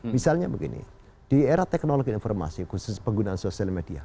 misalnya begini di era teknologi informasi khusus penggunaan sosial media